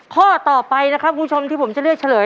ข้อต่อไปนะครับคุณผู้ชมที่ผมจะเลือกเฉลย